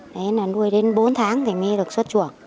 đấy là nuôi đến bốn tháng thì mới được xuất chuộc